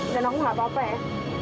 dan aku gak apa apa ya